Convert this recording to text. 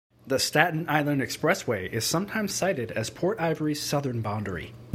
The Staten Island Expressway is sometimes cited as Port Ivory's southern boundary.